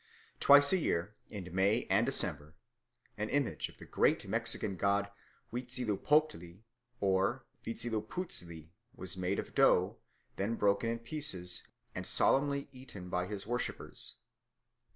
Twice a year, in May and December, an image of the great Mexican god Huitzilopochtli or Vitzilipuztli was made of dough, then broken in pieces, and solemnly eaten by his worshippers.